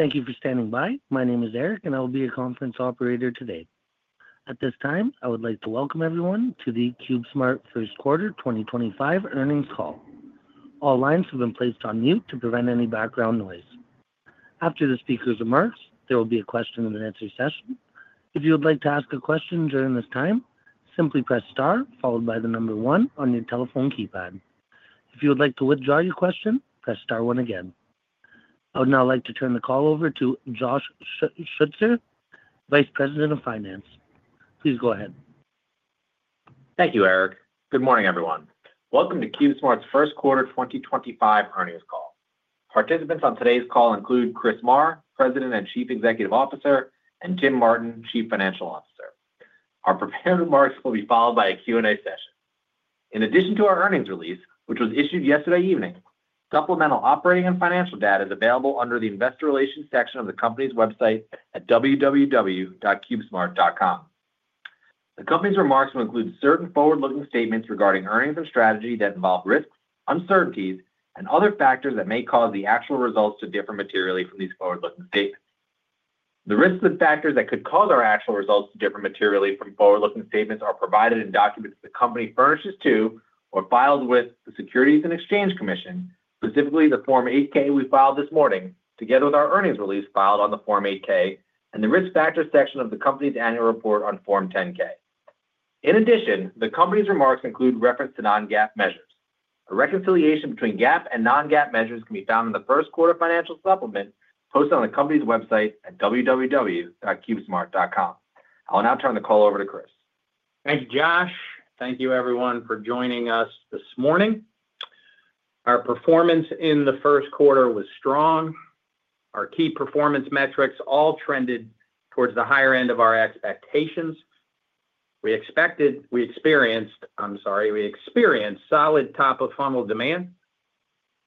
Thank you for standing by. My name is Eric, and I will be your conference operator today. At this time, I would like to welcome everyone to the CubeSmart's First Quarter 2025 Earnings Call. All lines have been placed on mute to prevent any background noise. After the speaker's remarks, there will be a question-and-answer session. If you would like to ask a question during this time, simply press star followed by the number one on your telephone keypad. If you would like to withdraw your question, press star one again. I would now like to turn the call over to Josh Schutzer, Vice President of Finance. Please go ahead. Thank you, Eric. Good morning, everyone. Welcome to CubeSmart's First Quarter 2025 Earnings Call. Participants on today's call include Chris Marr, President and Chief Executive Officer, and Tim Martin, Chief Financial Officer. Our prepared remarks will be followed by a Q&A session. In addition to our earnings release, which was issued yesterday evening, supplemental operating and financial data is available under the investor relations section of the company's website at www.cubesmart.com. The company's remarks will include certain forward-looking statements regarding earnings and strategy that involve risks, uncertainties, and other factors that may cause the actual results to differ materially from these forward-looking statements. The risks and factors that could cause our actual results to differ materially from forward-looking statements are provided in documents the company furnishes to or files with the Securities and Exchange Commission, specifically the Form 8-K we filed this morning, together with our earnings release filed on the Form 8-K and the risk factor section of the company's annual report on Form 10-K. In addition, the company's remarks include reference to non-GAAP measures. A reconciliation between GAAP and non-GAAP measures can be found in the First Quarter Financial Supplement posted on the company's website at www.cubesmart.com. I'll now turn the call over to Chris. Thank you, Josh. Thank you, everyone, for joining us this morning. Our performance in the first quarter was strong. Our key performance metrics all trended towards the higher end of our expectations. We experienced solid top-of-funnel demand.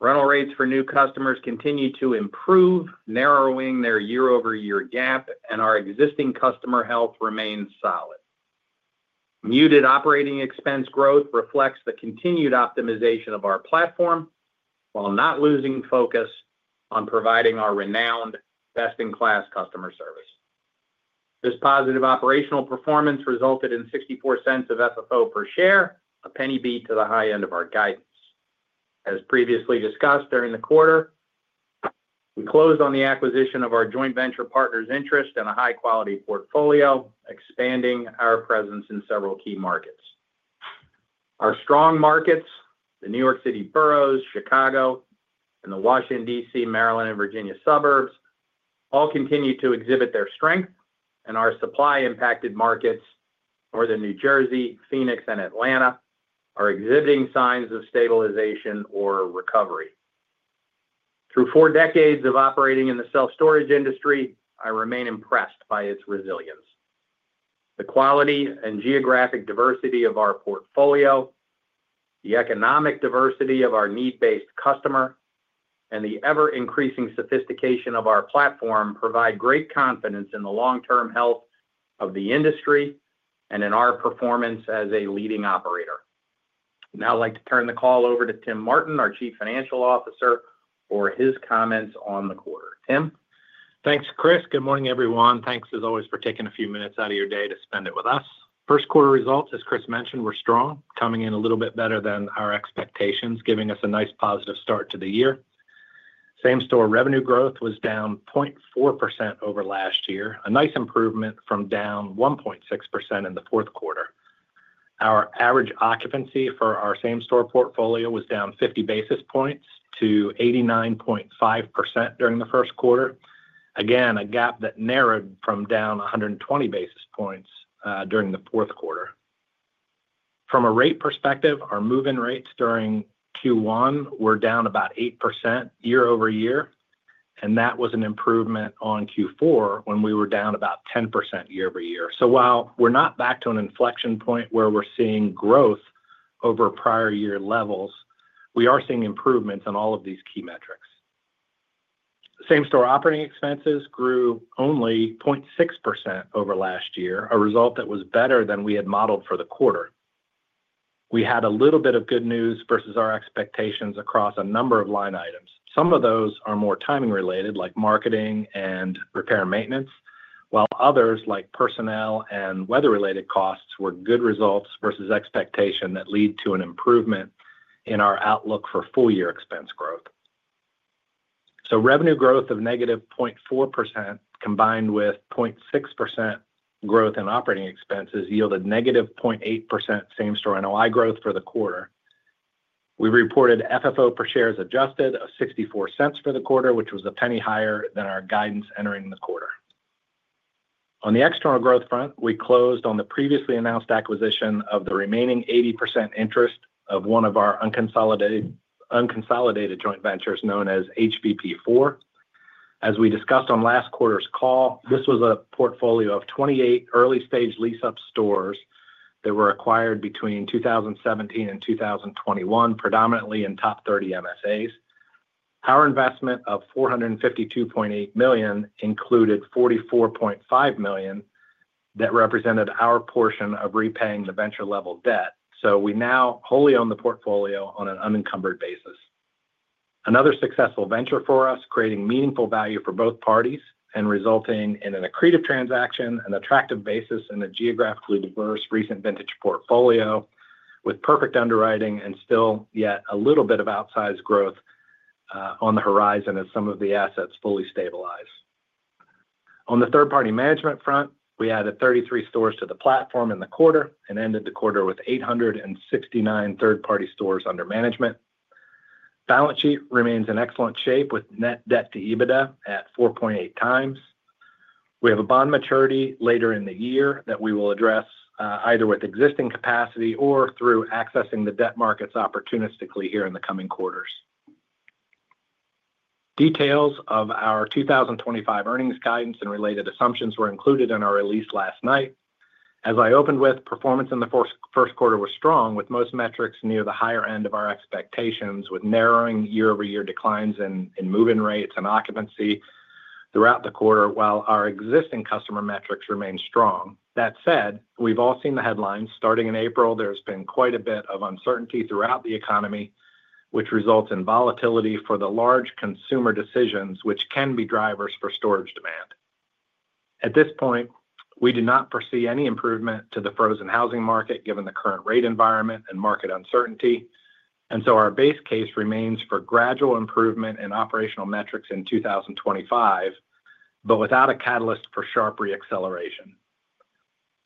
Rental rates for new customers continue to improve, narrowing their year-over-year gap, and our existing customer health remains solid. Muted operating expense growth reflects the continued optimization of our platform while not losing focus on providing our renowned, best-in-class customer service. This positive operational performance resulted in $0.64 of FFO per share, a penny beat to the high end of our guidance. As previously discussed during the quarter, we closed on the acquisition of our joint venture partner's interest and a high-quality portfolio, expanding our presence in several key markets. Our strong markets, the New York City boroughs, Chicago, and the Washington, DC, Maryland, and Virginia suburbs, all continue to exhibit their strength, and our supply-impacted markets, Northern New Jersey, Phoenix, and Atlanta, are exhibiting signs of stabilization or recovery. Through four decades of operating in the self-storage industry, I remain impressed by its resilience. The quality and geographic diversity of our portfolio, the economic diversity of our need-based customer, and the ever-increasing sophistication of our platform provide great confidence in the long-term health of the industry and in our performance as a leading operator. Now I'd like to turn the call over to Tim Martin, our Chief Financial Officer, for his comments on the quarter. Tim. Thanks, Chris. Good morning, everyone. Thanks, as always, for taking a few minutes out of your day to spend it with us. First Quarter results, as Chris mentioned, were strong, coming in a little bit better than our expectations, giving us a nice positive start to the year. Same-store revenue growth was down 0.4% over last year, a nice improvement from down 1.6% in the fourth quarter. Our average occupancy for our same-store portfolio was down 50 basis points to 89.5% during the first quarter, again, a gap that narrowed from down 120 basis points during the fourth quarter. From a rate perspective, our move-in rates during Q1 were down about 8% year-over-year, and that was an improvement on Q4 when we were down about 10% year-over-year. While we're not back to an inflection point where we're seeing growth over prior-year levels, we are seeing improvements in all of these key metrics. Same-store operating expenses grew only 0.6% over last year, a result that was better than we had modeled for the quarter. We had a little bit of good news versus our expectations across a number of line items. Some of those are more timing-related, like marketing and repair and maintenance, while others, like personnel and weather-related costs, were good results versus expectation that lead to an improvement in our outlook for full-year expense growth. Revenue growth of -0.4% combined with 0.6% growth in operating expenses yielded -0.8% same-store NOI growth for the quarter. We reported FFO per share as adjusted of $0.64 for the quarter, which was a penny higher than our guidance entering the quarter. On the external growth front, we closed on the previously announced acquisition of the remaining 80% interest of one of our unconsolidated joint ventures known as HVP4. As we discussed on last quarter's call, this was a portfolio of 28 early-stage lease-up stores that were acquired between 2017 and 2021, predominantly in top 30 MSAs. Our investment of $452.8 million included $44.5 million that represented our portion of repaying the venture-level debt. We now wholly own the portfolio on an unencumbered basis. Another successful venture for us, creating meaningful value for both parties and resulting in an accretive transaction, an attractive basis in a geographically diverse recent vintage portfolio with perfect underwriting and still yet a little bit of outsized growth on the horizon as some of the assets fully stabilize. On the third-party management front, we added 33 stores to the platform in the quarter and ended the quarter with 869 third-party stores under management. Balance sheet remains in excellent shape with net debt to EBITDA at 4.8 times. We have a bond maturity later in the year that we will address either with existing capacity or through accessing the debt markets opportunistically here in the coming quarters. Details of our 2025 earnings guidance and related assumptions were included in our release last night. As I opened with, performance in the first quarter was strong, with most metrics near the higher end of our expectations, with narrowing year-over-year declines in move-in rates and occupancy throughout the quarter, while our existing customer metrics remained strong. That said, we've all seen the headlines. Starting in April, there's been quite a bit of uncertainty throughout the economy, which results in volatility for the large consumer decisions, which can be drivers for storage demand. At this point, we do not foresee any improvement to the frozen housing market given the current rate environment and market uncertainty. Our base case remains for gradual improvement in operational metrics in 2025 but without a catalyst for sharp re-acceleration.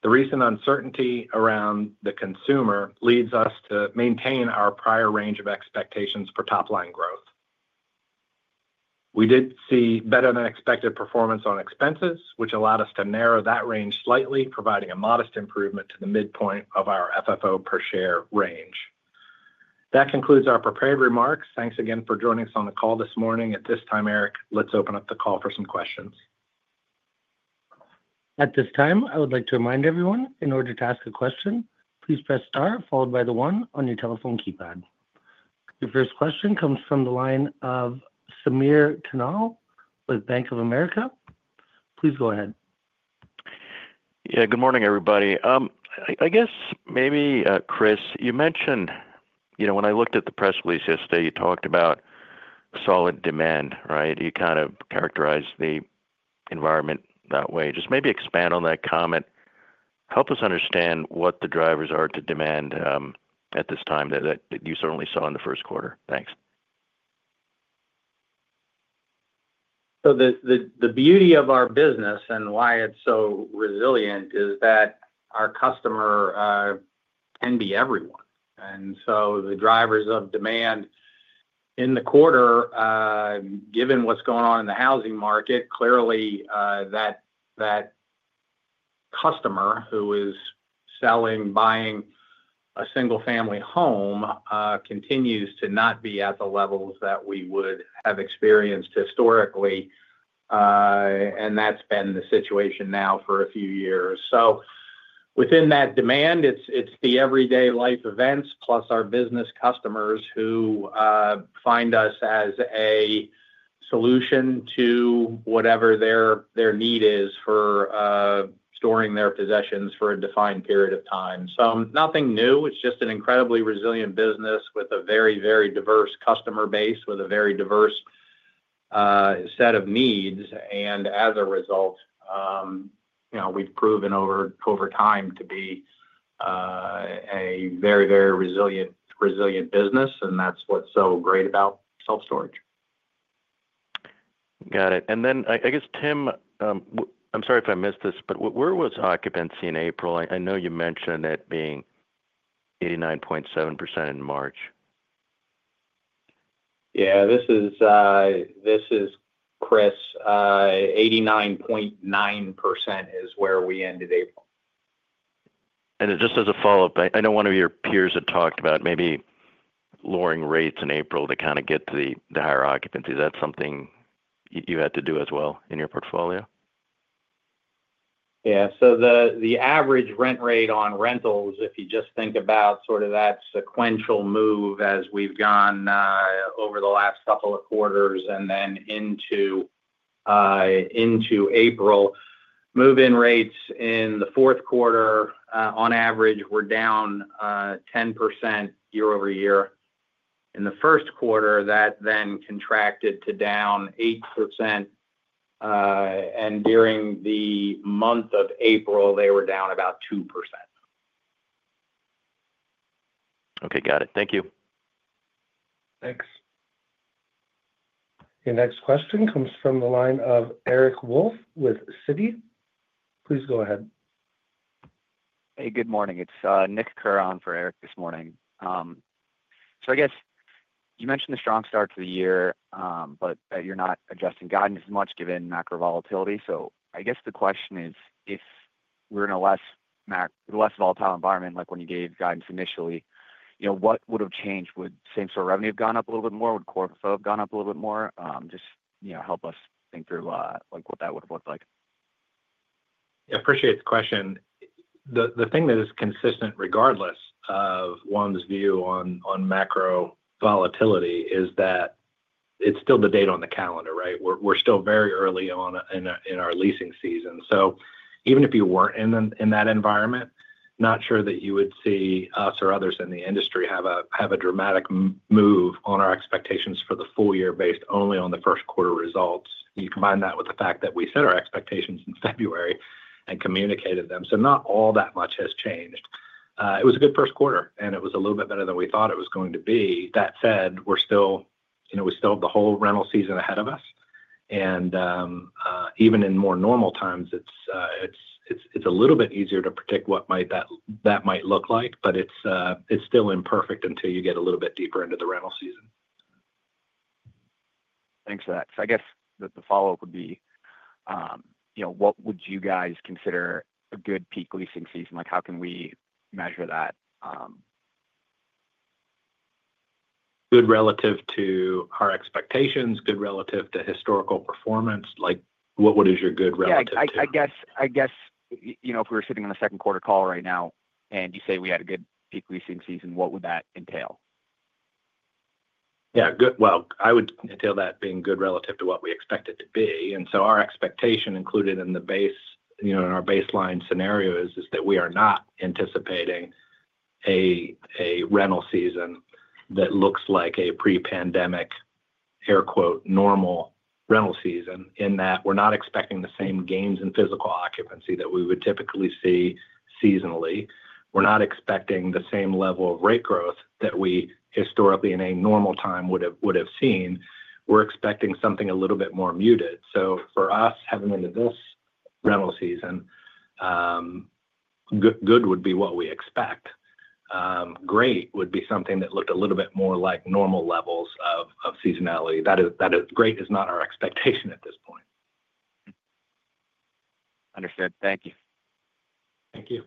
The recent uncertainty around the consumer leads us to maintain our prior range of expectations for top-line growth. We did see better-than-expected performance on expenses, which allowed us to narrow that range slightly, providing a modest improvement to the midpoint of our FFO per share range. That concludes our prepared remarks. Thanks again for joining us on the call this morning. At this time, Eric, let's open up the call for some questions. At this time, I would like to remind everyone, in order to ask a question, please press star followed by the one on your telephone keypad. Your first question comes from the line of Samir Khanal with Bank of America. Please go ahead. Yeah, good morning, everybody. I guess maybe, Chris, you mentioned, you know, when I looked at the press release yesterday, you talked about solid demand, right? You kind of characterized the environment that way. Just maybe expand on that comment. Help us understand what the drivers are to demand at this time that you certainly saw in the first quarter Thanks. The beauty of our business and why it's so resilient is that our customer can be everyone. The drivers of demand in the quarter, given what's going on in the housing market, clearly that customer who is selling, buying a single-family home continues to not be at the levels that we would have experienced historically, and that's been the situation now for a few years. Within that demand, it's the everyday life events plus our business customers who find us as a solution to whatever their need is for storing their possessions for a defined period of time. Nothing new. It's just an incredibly resilient business with a very, very diverse customer base, with a very diverse set of needs. As a result, you know, we've proven over time to be a very, very resilient business, and that's what's so great about self-storage. Got it. I guess, Tim, I'm sorry if I missed this, but where was occupancy in April? I know you mentioned it being 89.7% in March. Yeah, this is Chris. 89.9% is where we ended April. Just as a follow-up, I know one of your peers had talked about maybe lowering rates in April to kind of get to the higher occupancy. Is that something you had to do as well in your portfolio? Yeah. The average rent rate on rentals, if you just think about sort of that sequential move as we've gone over the last couple of quarters and then into April, move-in rates in the fourth quarter, on average, were down 10% year-over-year. In the first quarter, that then contracted to down 8%, and during the month of April, they were down about 2%. Okay, got it. Thank you. Thanks. The next question comes from the line of Eric Wolfe with Citi. Please go ahead. Hey, good morning. It's Nick Carn for Eric this morning. I guess you mentioned the strong start to the year, but you're not adjusting guidance as much given macro volatility. I guess the question is, if we're in a less volatile environment, like when you gave guidance initially, you know, what would have changed? Would same-store revenue have gone up a little bit more? Would core FFO have gone up a little bit more? Just, you know, help us think through, like, what that would have looked like. Yeah, appreciate the question. The thing that is consistent regardless of one's view on macro volatility is that it's still the date on the calendar, right? We're still very early in our leasing season. Even if you weren't in that environment, not sure that you would see us or others in the industry have a dramatic move on our expectations for the full year based only on the first quarter results. You combine that with the fact that we set our expectations in February and communicated them, so not all that much has changed. It was a good first quarter, and it was a little bit better than we thought it was going to be. That said, we're still, you know, we still have the whole rental season ahead of us. Even in more normal times, it's a little bit easier to predict what that might look like, but it's still imperfect until you get a little bit deeper into the rental season. Thanks for that. I guess the follow-up would be, you know, what would you guys consider a good peak leasing season? Like, how can we measure that? Good relative to our expectations, good relative to historical performance. Like, what is your good relative? Yeah, I guess, you know, if we were sitting on a second quarter call right now and you say we had a good peak leasing season, what would that entail? Yeah, good. I would entail that being good relative to what we expect it to be. Our expectation included in the base, you know, in our baseline scenario is that we are not anticipating a rental season that looks like a pre-pandemic, air quote, normal rental season in that we're not expecting the same gains in physical occupancy that we would typically see seasonally. We're not expecting the same level of rate growth that we historically in a normal time would have seen. We're expecting something a little bit more muted. For us, heading into this rental season, good would be what we expect. Great would be something that looked a little bit more like normal levels of seasonality. That is, great is not our expectation at this point. Understood. Thank you. Thank you.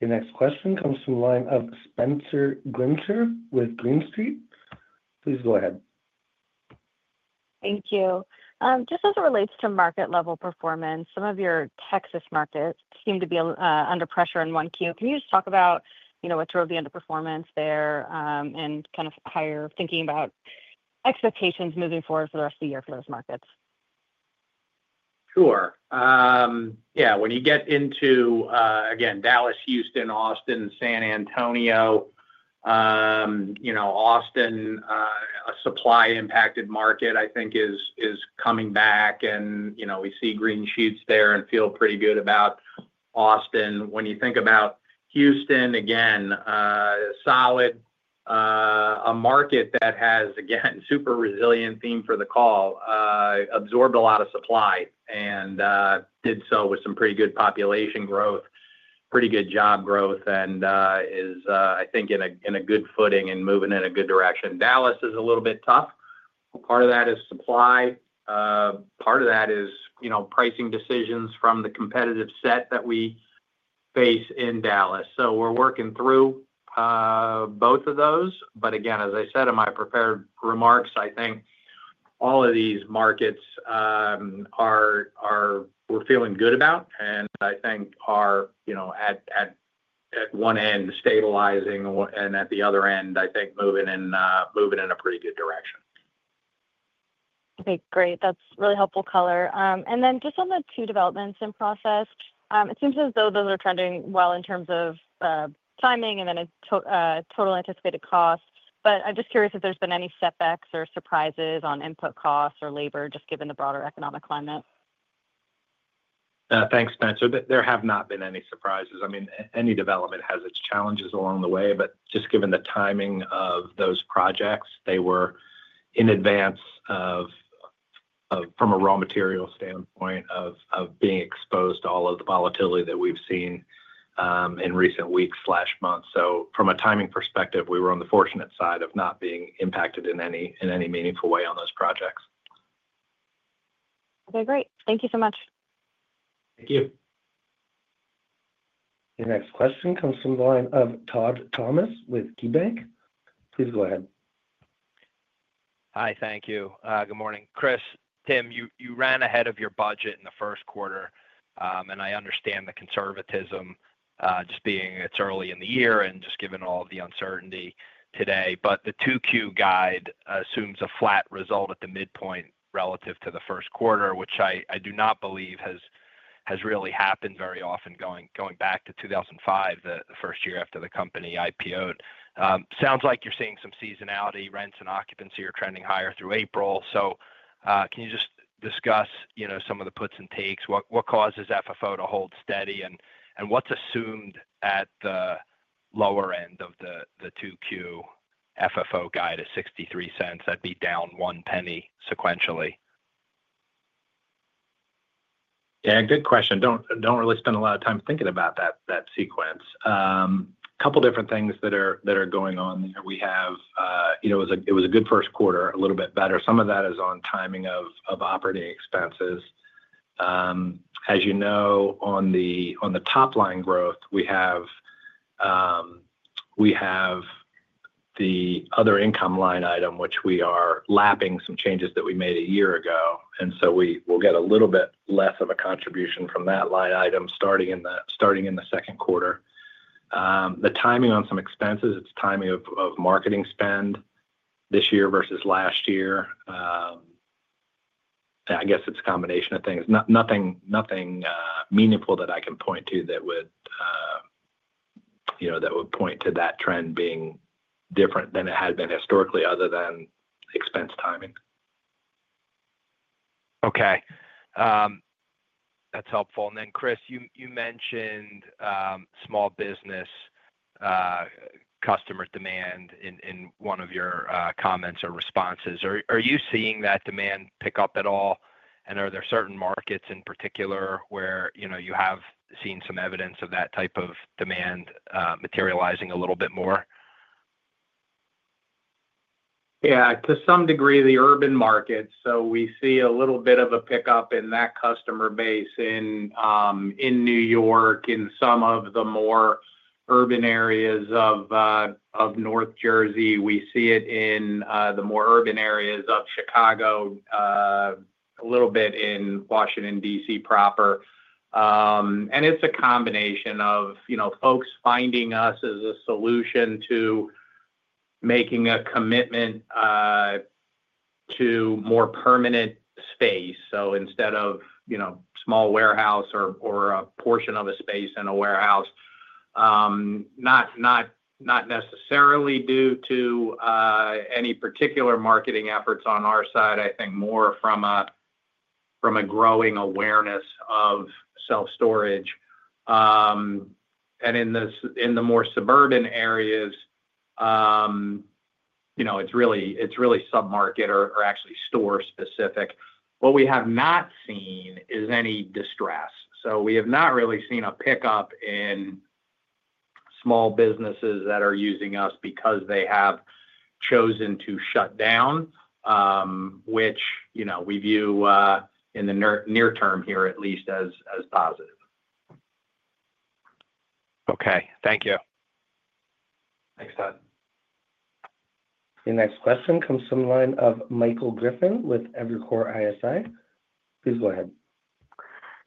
The next question comes from the line of Spenser Glimcher with Green Street. Please go ahead. Thank you. Just as it relates to market-level performance, some of your Texas markets seem to be under pressure in 1Q. Can you just talk about, you know, what drove the underperformance there and kind of how you're thinking about expectations moving forward for the rest of the year for those markets? Sure. Yeah, when you get into, again, Dallas, Houston, Austin, San Antonio, you know, Austin, a supply-impacted market, I think, is coming back, and, you know, we see green shoots there and feel pretty good about Austin. When you think about Houston, again, solid, a market that has, again, super resilient theme for the call, absorbed a lot of supply and did so with some pretty good population growth, pretty good job growth, and is, I think, in a good footing and moving in a good direction. Dallas is a little bit tough. Part of that is supply. Part of that is, you know, pricing decisions from the competitive set that we face in Dallas. We are working through both of those. As I said in my prepared remarks, I think all of these markets are, we're feeling good about, and I think are, you know, at one end stabilizing and at the other end, I think, moving in a pretty good direction. Okay, great. That's really helpful color. Just on the two developments in process, it seems as though those are trending well in terms of timing and then total anticipated costs. I'm just curious if there's been any setbacks or surprises on input costs or labor, just given the broader economic climate. Thanks, Spenser. There have not been any surprises. I mean, any development has its challenges along the way, but just given the timing of those projects, they were in advance of, from a raw material standpoint, of being exposed to all of the volatility that we've seen in recent weeks/months. From a timing perspective, we were on the fortunate side of not being impacted in any meaningful way on those projects. Okay, great. Thank you so much. Thank you. The next question comes from the line of Todd Thomas with KeyBanc. Please go ahead. Hi, thank you. Good morning. Chris, Tim, you ran ahead of your budget in the first quarter, and I understand the conservatism just being it's early in the year and just given all of the uncertainty today. The 2Q guide assumes a flat result at the midpoint relative to the first quarter, which I do not believe has really happened very often going back to 2005, the first year after the company IPO'd. Sounds like you're seeing some seasonality. Rents and occupancy are trending higher through April. Can you just discuss, you know, some of the puts and takes? What causes FFO to hold steady and what's assumed at the lower end of the 2Q FFO guide at $0.63? That'd be down one penny sequentially. Yeah, good question. Don't really spend a lot of time thinking about that sequence. A couple of different things that are going on there. We have, you know, it was a good first quarter, a little bit better. Some of that is on timing of operating expenses. As you know, on the top-line growth, we have the other income line item, which we are lapping some changes that we made a year ago. And so we'll get a little bit less of a contribution from that line item starting in the second quarter. The timing on some expenses, it's timing of marketing spend this year versus last year. I guess it's a combination of things. Nothing meaningful that I can point to that would, you know, that would point to that trend being different than it had been historically other than expense timing. Okay That's helpful. Chris, you mentioned small business customer demand in one of your comments or responses. Are you seeing that demand pick up at all? Are there certain markets in particular where, you know, you have seen some evidence of that type of demand materializing a little bit more? Yeah, to some degree, the urban markets. We see a little bit of a pickup in that customer base in New York, in some of the more urban areas of North Jersey. We see it in the more urban areas of Chicago, a little bit in Washington, DC proper. It is a combination of, you know, folks finding us as a solution to making a commitment to more permanent space. Instead of, you know, small warehouse or a portion of a space in a warehouse, not necessarily due to any particular marketing efforts on our side, I think more from a growing awareness of self-storage. In the more suburban areas, you know, it is really sub-market or actually store-specific. What we have not seen is any distress. We have not really seen a pickup in small businesses that are using us because they have chosen to shut down, which, you know, we view in the near term here at least as positive. Okay. Thank you. The next question comes from the line of Michael Griffin with Evercore ISI. Please go ahead.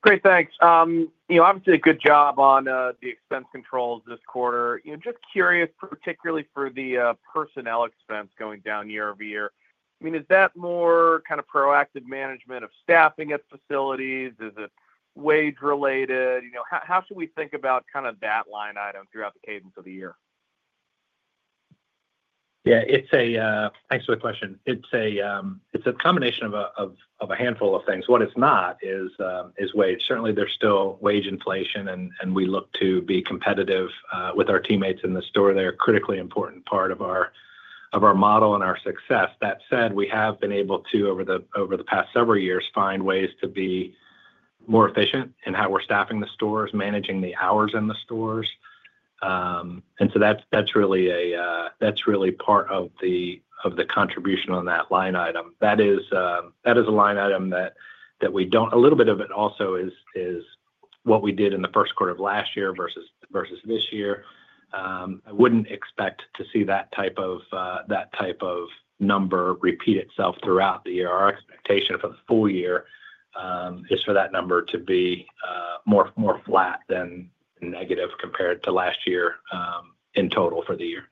Chris, thanks. You know, obviously a good job on the expense controls this quarter. You know, just curious, particularly for the personnel expense going down year-over-year. I mean, is that more kind of proactive management of staffing at facilities? Is it wage-related? You know, how should we think about kind of that line item throughout the cadence of the year? Yeah, it's a, thanks for the question. It's a combination of a handful of things. What it's not is wage. Certainly, there's still wage inflation, and we look to be competitive with our teammates in the store. They're a critically important part of our model and our success. That said, we have been able to, over the past several years, find ways to be more efficient in how we're staffing the stores, managing the hours in the stores. That's really part of the contribution on that line item. That is a line item that we don't, a little bit of it also is what we did in the first quarter of last year versus this year. I wouldn't expect to see that type of number repeat itself throughout the year. Our expectation for the full year is for that number to be more flat than negative compared to last year in total for the year.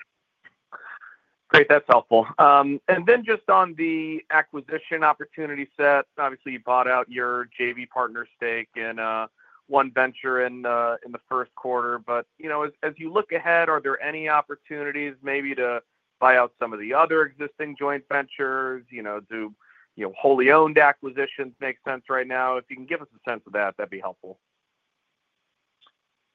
Great. That's helpful. Then just on the acquisition opportunity set, obviously you bought out your JV partner stake in One Venture in the first quarter. You know, as you look ahead, are there any opportunities maybe to buy out some of the other existing joint ventures? You know, do you know, wholly owned acquisitions make sense right now? If you can give us a sense of that, that'd be helpful.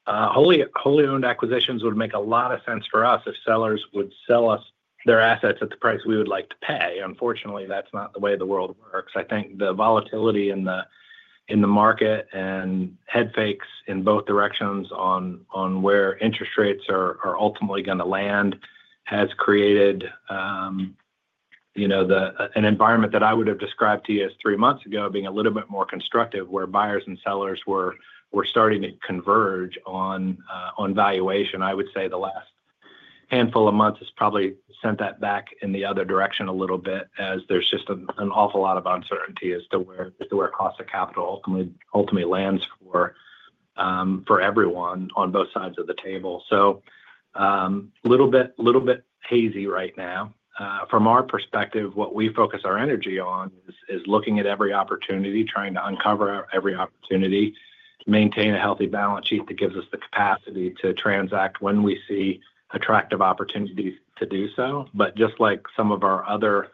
Wholly owned acquisitions would make a lot of sense for us if sellers would sell us their assets at the price we would like to pay. Unfortunately, that's not the way the world works. I think the volatility in the market and head fakes in both directions on where interest rates are ultimately going to land has created, you know, an environment that I would have described to you as three months ago being a little bit more constructive where buyers and sellers were starting to converge on valuation. I would say the last handful of months has probably sent that back in the other direction a little bit as there's just an awful lot of uncertainty as to where cost of capital ultimately lands for everyone on both sides of the table. A little bit hazy right now. From our perspective, what we focus our energy on is looking at every opportunity, trying to uncover every opportunity, maintain a healthy balance sheet that gives us the capacity to transact when we see attractive opportunities to do so. Just like some of our other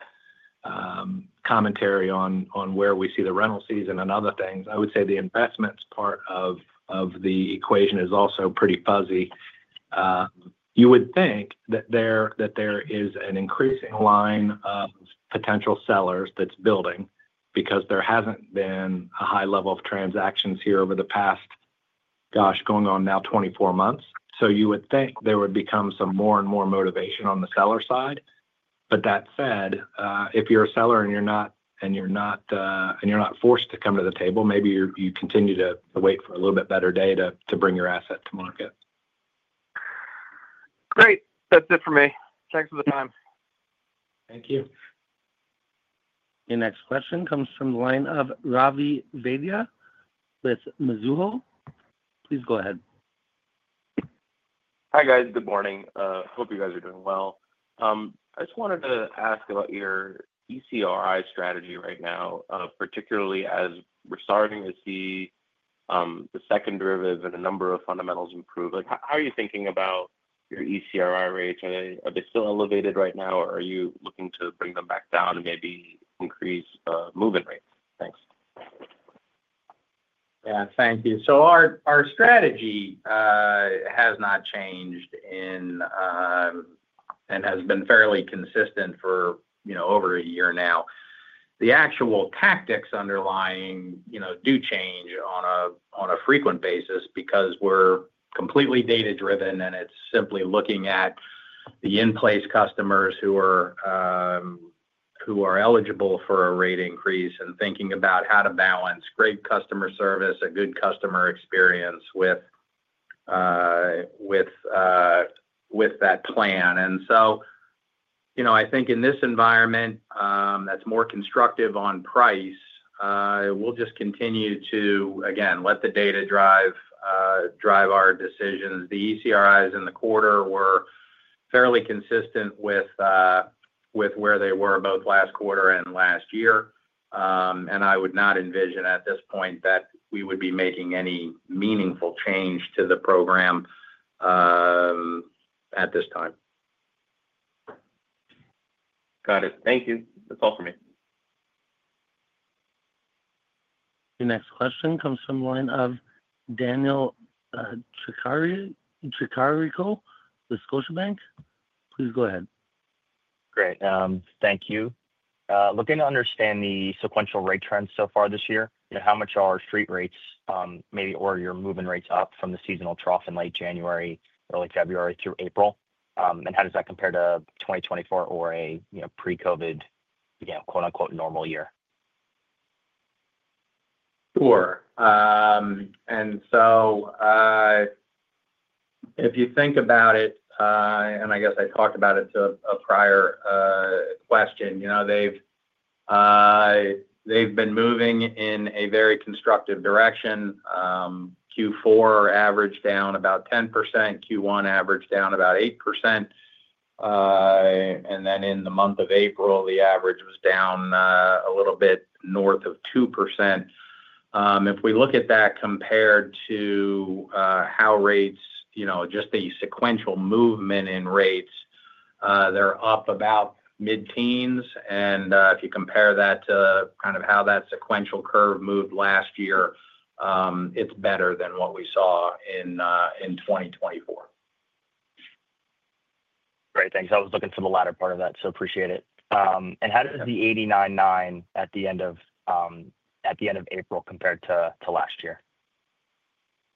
commentary on where we see the rental season and other things, I would say the investment part of the equation is also pretty fuzzy. You would think that there is an increasing line of potential sellers that's building because there hasn't been a high level of transactions here over the past, gosh, going on now 24 months. You would think there would become some more and more motivation on the seller side. If you're a seller and you're not forced to come to the table, maybe you continue to wait for a little bit better day to bring your asset to market. Great. That's it for me. Thanks for the time. Thank you. The next question comes from the line of Ravi Vaidya with Mizuho. Please go ahead. Hi guys. Good morning. Hope you guys are doing well. I just wanted to ask about your ECRI strategy right now, particularly as we're starting to see the second derivative and a number of fundamentals improve. How are you thinking about your ECRI rates? Are they still elevated right now, or are you looking to bring them back down and maybe increase move-in rates? Thanks. Yeah, thank you. Our strategy has not changed and has been fairly consistent for, you know, over a year now. The actual tactics underlying, you know, do change on a frequent basis because we're completely data-driven and it's simply looking at the in-place customers who are eligible for a rate increase and thinking about how to balance great customer service, a good customer experience with that plan. You know, I think in this environment that's more constructive on price, we'll just continue to, again, let the data drive our decisions. The ECRIs in the quarter were fairly consistent with where they were both last quarter and last year. I would not envision at this point that we would be making any meaningful change to the program at this time. Got it. Thank you. That's all for me. The next question comes from the line of Daniel Tricarico with Scotiabank. Please go ahead. Great. Thank you. Looking to understand the sequential rate trends so far this year, you know, how much are our street rates maybe or your move-in rates up from the seasonal trough in late January, early February through April? And how does that compare to 2024 or a, you know, pre-COVID, you know, quote unquote normal year? Sure. If you think about it, and I guess I talked about it to a prior question, you know, they've been moving in a very constructive direction. Q4 averaged down about 10%. Q1 averaged down about 8%. In the month of April, the average was down a little bit north of 2%. If we look at that compared to how rates, you know, just the sequential movement in rates, they're up about mid-teens. If you compare that to kind of how that sequential curve moved last year, it's better than what we saw in 2024. Great. Thanks. I was looking for the latter part of that, so appreciate it. How does the 89.9 at the end of April compare to last year?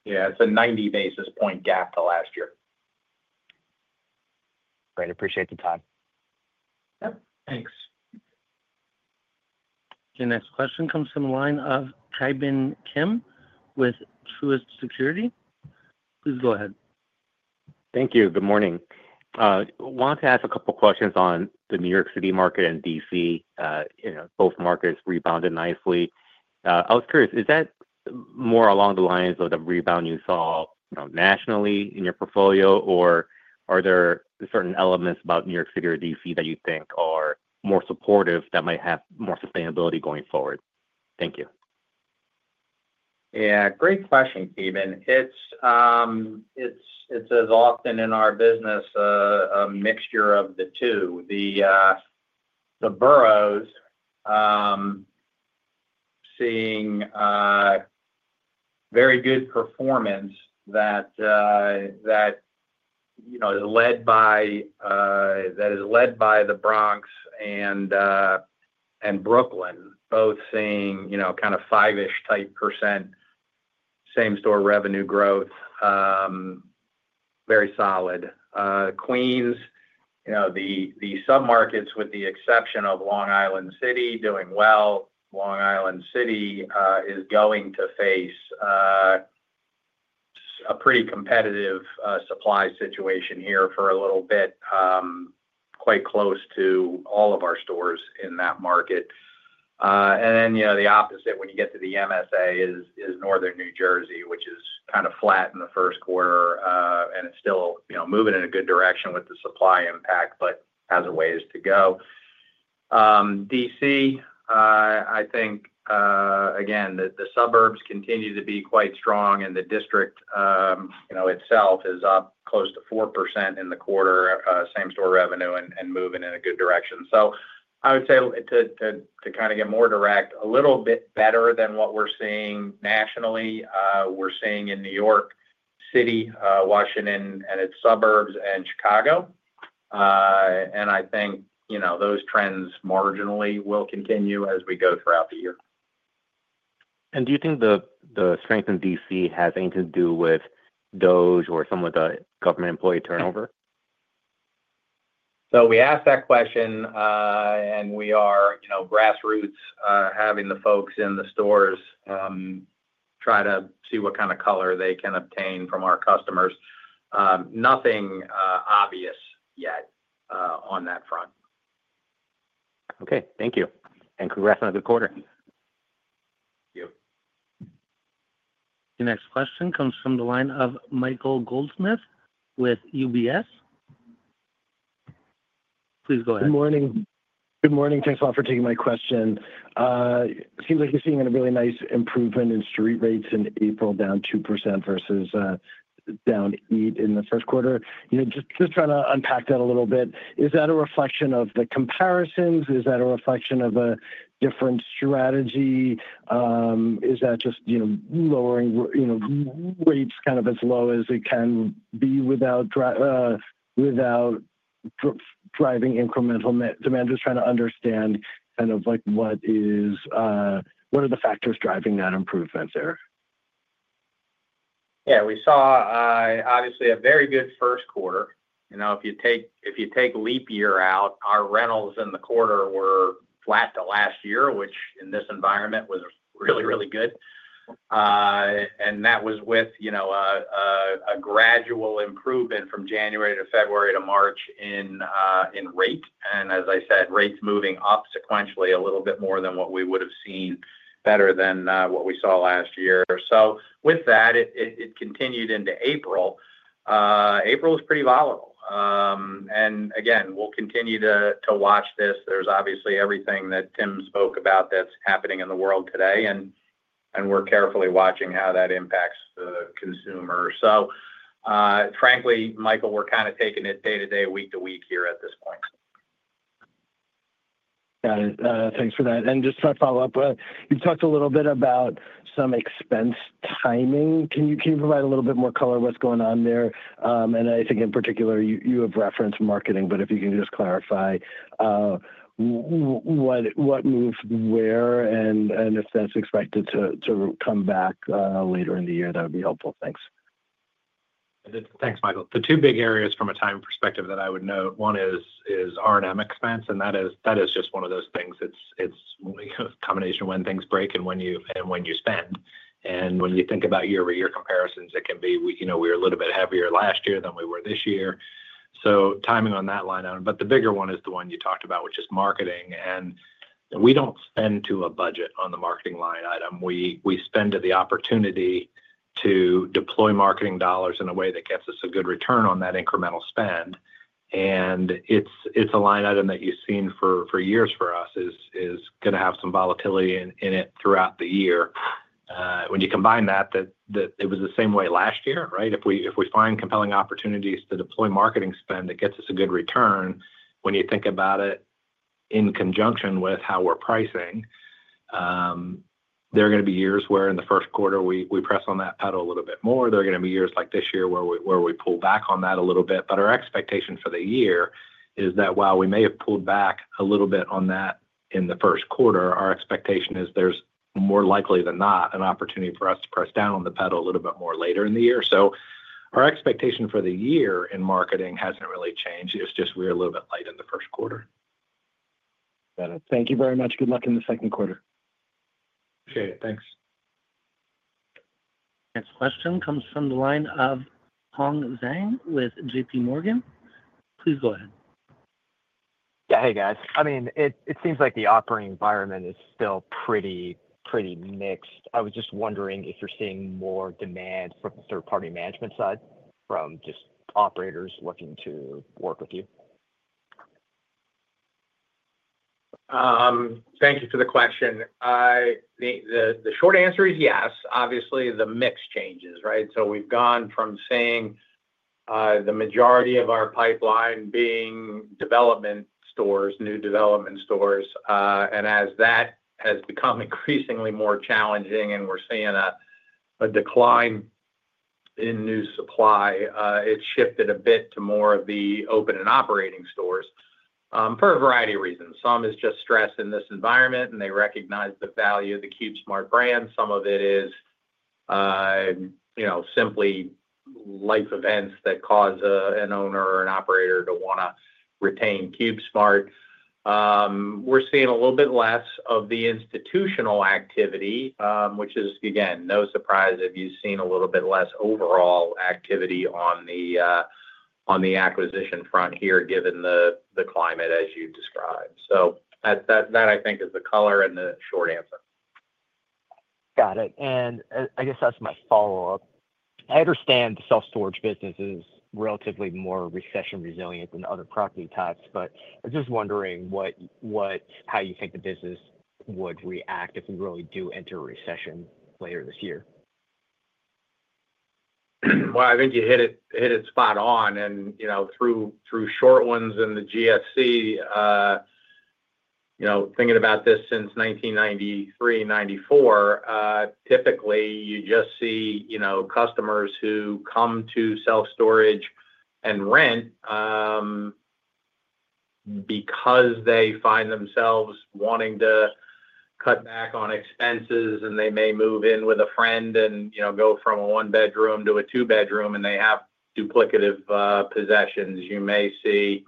Yeah, it's a 90 basis point gap to last year. Great. Appreciate the time. Thanks. The next question comes from the line of Ki Bin Kim with Truist Securities. Please go ahead. Thank you. Good morning. Wanted to ask a couple of questions on the New York City market and DC You know, both markets rebounded nicely. I was curious, is that more along the lines of the rebound you saw nationally in your portfolio, or are there certain elements about New York City or DC that you think are more supportive that might have more sustainability going forward? Thank you. Yeah, great question, Ki Bin. It's as often in our business a mixture of the two. The boroughs seeing very good performance that, you know, is led by, that is led by the Bronx and Brooklyn, both seeing, you know, kind of five-ish type % same-store revenue growth, very solid. Queens, you know, the sub-markets with the exception of Long Island City doing well. Long Island City is going to face a pretty competitive supply situation here for a little bit, quite close to all of our stores in that market. You know, the opposite when you get to the MSA is Northern New Jersey, which is kind of flat in the first quarter, and it's still, you know, moving in a good direction with the supply impact, but has a ways to go. DC, I think, again, the suburbs continue to be quite strong and the district, you know, itself is up close to 4% in the quarter, same-store revenue and moving in a good direction. I would say to kind of get more direct, a little bit better than what we're seeing nationally, we're seeing in New York City, Washington, and its suburbs and Chicago. I think, you know, those trends marginally will continue as we go throughout the year. Do you think the strength in DC has anything to do with those or some of the government employee turnover? We asked that question and we are, you know, grassroots having the folks in the stores try to see what kind of color they can obtain from our customers. Nothing obvious yet on that front. Okay. Thank you. Congrats on a good quarter. Thank you. The next question comes from the line of Michael Goldsmith with UBS. Please go ahead. Good morning. Good morning. Thanks a lot for taking my question. Seems like you're seeing a really nice improvement in street rates in April, down 2% versus down 8% in the first quarter. You know, just trying to unpack that a little bit. Is that a reflection of the comparisons? Is that a reflection of a different strategy? Is that just, you know, lowering, you know, rates kind of as low as it can be without driving incremental demand? Just trying to understand kind of like what is, what are the factors driving that improvement there? Yeah, we saw obviously a very good first quarter. You know, if you take leap year out, our rentals in the quarter were flat to last year, which in this environment was really, really good. That was with, you know, a gradual improvement from January to February to March in rate. As I said, rates moving up sequentially a little bit more than what we would have seen, better than what we saw last year. With that, it continued into April. April was pretty volatile. Again, we'll continue to watch this. There's obviously everything that Tim spoke about that's happening in the world today, and we're carefully watching how that impacts the consumer. Frankly, Michael, we're kind of taking it day to day, week to week here at this point. Got it. Thanks for that. Just trying to follow up, you talked a little bit about some expense timing. Can you provide a little bit more color of what's going on there? I think in particular, you have referenced marketing, but if you can just clarify what moves where and if that's expected to come back later in the year, that would be helpful. Thanks. Thanks, Michael. The two big areas from a timing perspective that I would note, one is R&M expense, and that is just one of those things. It's a combination of when things break and when you spend. And when you think about year-over-year comparisons, it can be, you know, we were a little bit heavier last year than we were this year. So timing on that line item. The bigger one is the one you talked about, which is marketing. We do not spend to a budget on the marketing line item. We spend to the opportunity to deploy marketing dollars in a way that gets us a good return on that incremental spend. It is a line item that you have seen for years for us is going to have some volatility in it throughout the year. When you combine that, it was the same way last year, right? If we find compelling opportunities to deploy marketing spend that gets us a good return, when you think about it in conjunction with how we're pricing, there are going to be years where in the first quarter, we press on that pedal a little bit more. There are going to be years like this year where we pull back on that a little bit. Our expectation for the year is that while we may have pulled back a little bit on that in the first quarter, our expectation is there's more likely than not an opportunity for us to press down on the pedal a little bit more later in the year. Our expectation for the year in marketing hasn't really changed. It's just we're a little bit late in the first quarter. Got it. Thank you very much. Good luck in the second quarter. Appreciate it. Thanks. Next question comes from the line of Hong Zhang with JPMorgan. Please go ahead. Yeah, hey guys, I mean, it seems like the operating environment is still pretty mixed. I was just wondering if you're seeing more demand from the third-party management side, from just operators looking to work with you. Thank you for the question. The short answer is yes. Obviously, the mix changes, right? We have gone from seeing the majority of our pipeline being development stores, new development stores. As that has become increasingly more challenging and we are seeing a decline in new supply, it has shifted a bit to more of the open and operating stores for a variety of reasons. Some is just stress in this environment and they recognize the value of the CubeSmart brand. Some of it is, you know, simply life events that cause an owner or an operator to want to retain CubeSmart. We are seeing a little bit less of the institutional activity, which is, again, no surprise if you have seen a little bit less overall activity on the acquisition front here given the climate as you described. That, I think, is the color and the short answer. Got it. I guess that's my follow-up. I understand the self-storage business is relatively more recession resilient than other property types, but I'm just wondering how you think the business would react if we really do enter a recession later this year. I think you hit it spot on. You know, through short ones in the GFC, you know, thinking about this since 1993, 1994, typically you just see, you know, customers who come to self-storage and rent because they find themselves wanting to cut back on expenses and they may move in with a friend and, you know, go from a one-bedroom to a two-bedroom and they have duplicative possessions. You may see,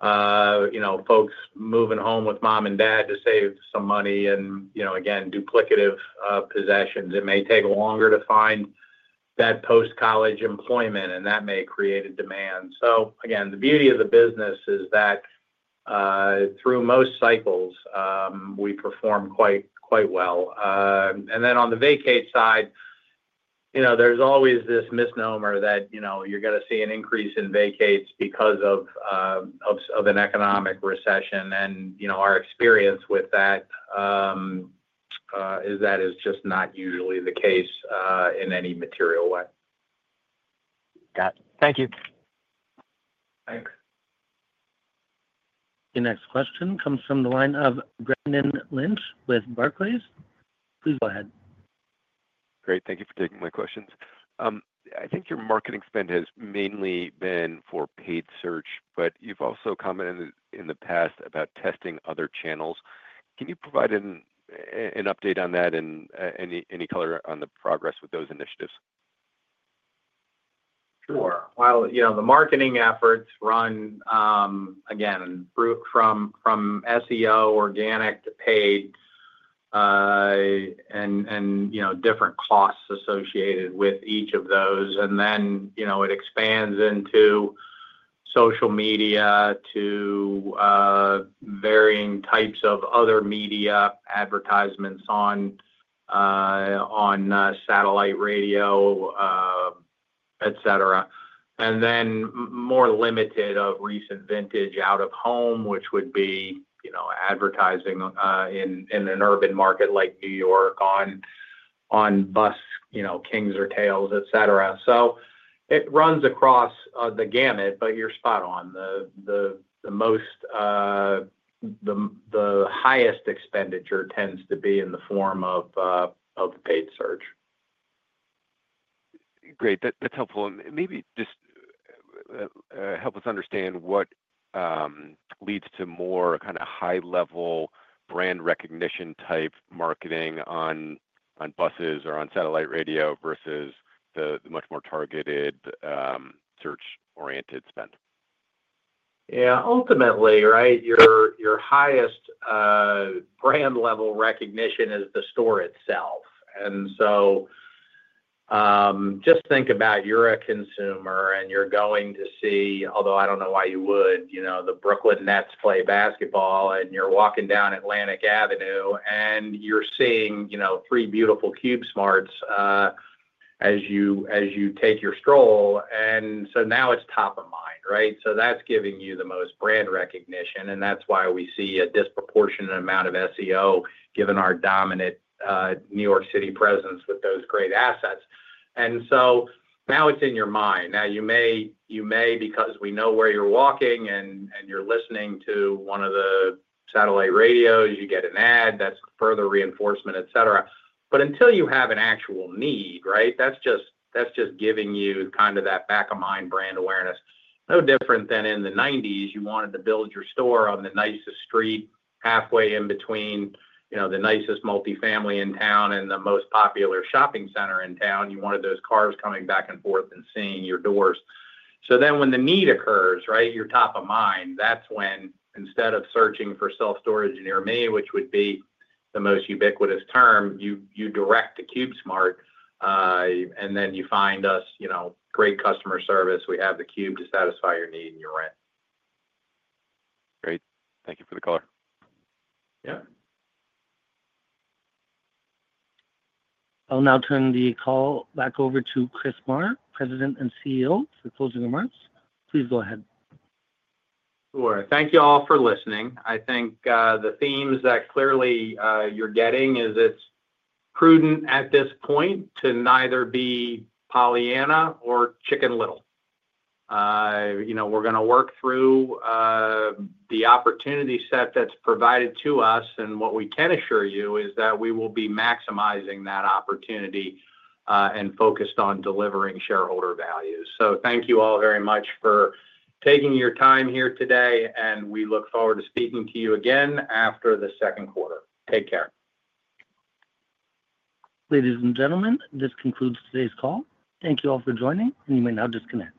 you know, folks moving home with mom and dad to save some money and, you know, again, duplicative possessions. It may take longer to find that post-college employment and that may create a demand. Again, the beauty of the business is that through most cycles, we perform quite well. On the vacate side, you know, there's always this misnomer that, you know, you're going to see an increase in vacates because of an economic recession. You know, our experience with that is that is just not usually the case in any material way. Got it. Thank you. Thanks. The next question comes from the line of Brendan Lynch with Barclays. Please go ahead. Great. Thank you for taking my questions. I think your marketing spend has mainly been for paid search, but you've also commented in the past about testing other channels. Can you provide an update on that and any color on the progress with those initiatives? Sure. You know, the marketing efforts run, again, from SEO, organic, to paid, and, you know, different costs associated with each of those. You know, it expands into social media to varying types of other media advertisements on satellite radio, etc. More limited of recent vintage out of home, which would be, you know, advertising in an urban market like New York on bus, you know, Kings or Tales, etc. It runs across the gamut, but you're spot on. The most, the highest expenditure tends to be in the form of paid search. Great. That's helpful. Maybe just help us understand what leads to more kind of high-level brand recognition type marketing on buses or on satellite radio versus the much more targeted search-oriented spend. Yeah. Ultimately, right, your highest brand level recognition is the store itself. Just think about you're a consumer and you're going to see, although I don't know why you would, you know, the Brooklyn Nets play basketball and you're walking down Atlantic Avenue and you're seeing, you know, three beautiful CubeSmart as you take your stroll. Now it's top of mind, right? That's giving you the most brand recognition. That's why we see a disproportionate amount of SEO given our dominant New York City presence with those great assets. Now it's in your mind. Now you may, because we know where you're walking and you're listening to one of the satellite radios, you get an ad that's further reinforcement, etc. Until you have an actual need, right, that's just giving you kind of that back-of-mind brand awareness. No different than in the 1990s, you wanted to build your store on the nicest street halfway in between, you know, the nicest multifamily in town and the most popular shopping center in town. You wanted those cars coming back and forth and seeing your doors. When the need occurs, right, you're top of mind, that's when instead of searching for self-storage near me, which would be the most ubiquitous term, you direct to CubeSmart and then you find us, you know, great customer service. We have the Cube to satisfy your need and your rent. Great. Thank you for the call. Yeah. I'll now turn the call back over to Chris Marr, President and CEO for closing remarks. Please go ahead. Sure. Thank you all for listening. I think the themes that clearly you're getting is it's prudent at this point to neither be Pollyanna or Chicken Little. You know, we're going to work through the opportunity set that's provided to us. What we can assure you is that we will be maximizing that opportunity and focused on delivering shareholder values. Thank you all very much for taking your time here today. We look forward to speaking to you again after the second quarter. Take care. Ladies and gentlemen, this concludes today's call. Thank you all for joining, and you may now disconnect.